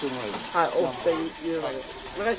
はい。